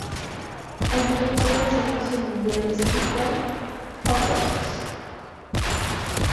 El director del Servicio Mundial es Peter Horrocks.